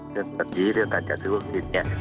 เผาจริงเรื่องการแจดซื้อวัคซีเนี้ย